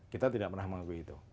kita tidak pernah mengakui itu